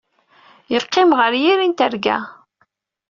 Yeqqim ɣer yiri n terga.